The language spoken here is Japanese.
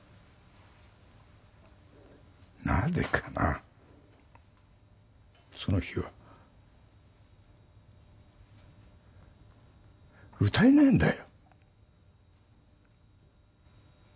なんでかなその日は歌えねえんだよ